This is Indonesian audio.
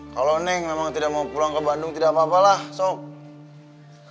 kalau neng memang tidak mau pulang ke bandung tidak apa apa lah sok